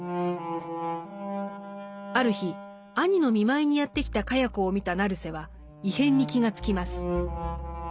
ある日兄の見舞いにやって来た茅子を見た成瀬は異変に気が付きます。